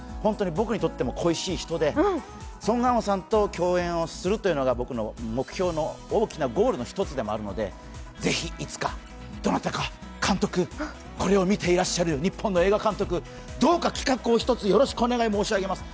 僕にとっても恋しい人でソン・ガンホさんと共演をするというのが僕の目標の大きなゴールの一つでもあるので、ぜひいつかどなたか監督、これを見ていらっしゃる日本の映画監督、どうか企画を一つよろしくお願い申し上げます。